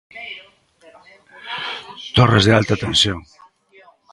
Torres de alta tensión.